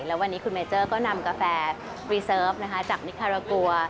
แล้ววันนี้คุณเมเจอร์ก็นำกาแฟรีเซิร์ฟจากนิคารากัว